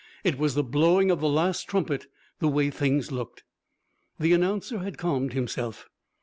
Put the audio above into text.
It was the blowing of the last trumpet, the way things looked. The announcer had calmed himself.